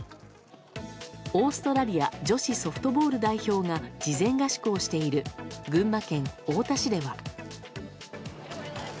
オーストラリア女子ソフトボール代表が事前合宿をしている群馬県太田市では。